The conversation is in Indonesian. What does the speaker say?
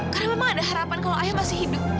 karena memang ada harapan kalau ayah masih hidup